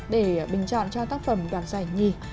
để bình chọn cho tác phẩm đoàn giải nhịp